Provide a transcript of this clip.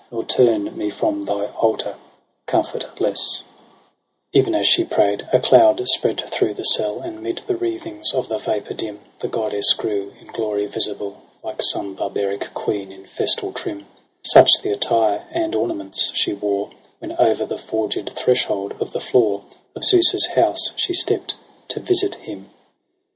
Nor turn me from thine altar comfortless/ Even as she pray'd a cloud spread through the cell. And 'mid the wreathings of the vapour dim The goddess grew in glory visible. Like some barbaric queen in festal trim • Such the attire and ornaments she wore. When o'er the forged threshold of the floor Of Zeus's house she stept to visit him.